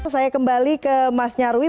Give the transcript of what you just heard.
saya kembali ke mas nyarwi